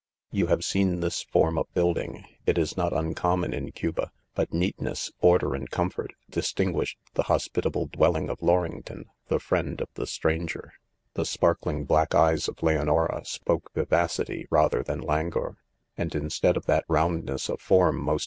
■, .^J^ou have seen this'form of building; it is ^^oj' uncommon, in. Cuba ; but neatness^ , order and comfort, distinguished the hospitable dwelt ing of Lorington, ;the. friencl. of the stranger. ; 4< The sparkling Hack eyes of Leonora spoke vivacity rather thyan languor, and instead of that, roundness of form, most